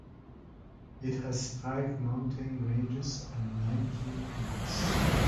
It has five mountain ranges and nineteen peaks.